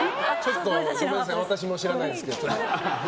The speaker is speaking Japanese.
ごめんなさい私も知らないですけど。